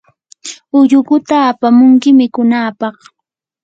ullukuta apamunki mikunapaq.